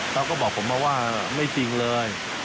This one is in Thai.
เขาบอกผมมาว่าไม่จริงเลย